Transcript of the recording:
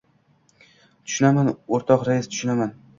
— Tushunaman, o‘rtoq rais, tushunaman.